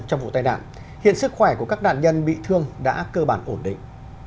trong vụ tai nạn hiện sức khỏe của các nạn nhân bị thương đã cơ bản ổn định